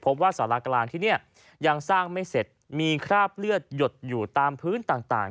ว่าสารากลางที่เนี่ยยังสร้างไม่เสร็จมีคราบเลือดหยดอยู่ตามพื้นต่าง